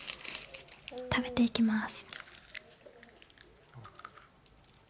食べていきます。